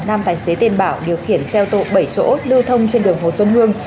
nam tài xế tên bảo điều khiển xe ô tô bảy chỗ lưu thông trên đường hồ xuân hương